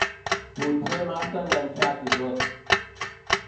Potser massa enganxat i tot.